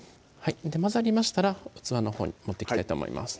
混ざりましたら器のほうに盛っていきたいと思います